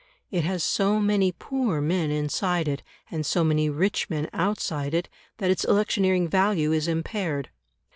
It has so many poor men inside it, and so many rich men outside it, that its electioneering value is impaired.